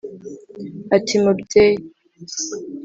ati "Mubyeyi